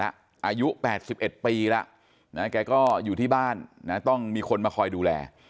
อายุ๘๑ปีแล้วนะแกก็อยู่ที่บ้านนะต้องมีคนมาคอยดูแล